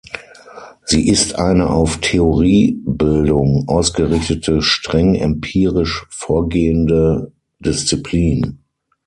Sie ist eine auf Theoriebildung ausgerichtete streng empirisch vorgehende Disziplin.